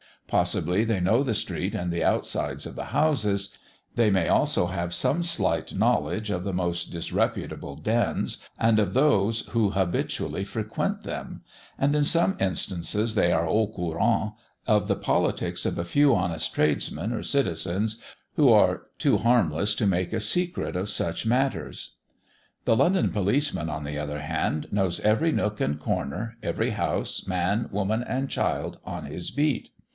Possibly they know the street and the outsides of the houses; they may also have some slight knowledge of the most disreputable dens, and of those who habitually frequent them, and, in some instances, they are au courant of the politics of a few honest tradesmen or citizens, who are too harmless to make a secret of such matters. The London policeman, on the other hand, knows every nook and corner, every house, man, woman, and child on his beat.